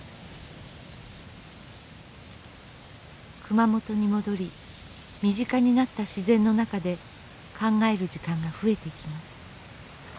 熊本に戻り身近になった自然の中で考える時間が増えていきます。